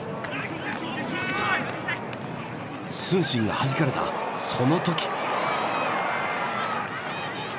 承信がはじかれたその時！